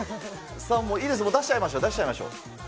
もういいですよ、出しちゃいましょう、出しちゃいましょう。